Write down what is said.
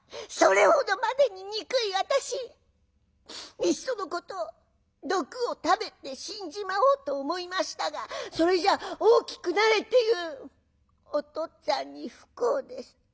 「それほどまでに憎い私いっそのこと毒を食べて死んじまおうと思いましたがそれじゃ大きくなれって言うおとっつぁんに不孝です。